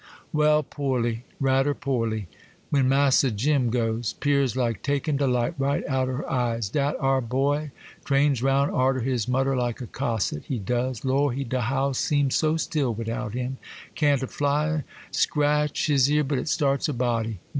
'Well, porly,—rader porly. When Massa Jim goes, 'pears like takin' de light right out her eyes. Dat ar' boy trains roun' arter his mudder like a cosset, he does. Lor', de house seems so still widout him!—can't a fly scratch his ear but it starts a body.